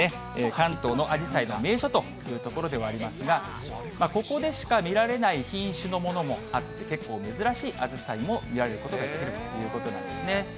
関東のあじさいの名所という所ではありますが、ここでしか見られない品種のものもあって、結構珍しいあじさいも見ることができるということなんですね。